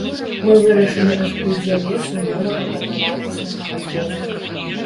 Мы вырашылі адкрыць завесу новага паўнавартаснага альбома.